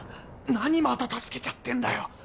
何また助けちゃってんだよ！？